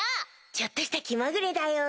ちょっとした気まぐれだよ。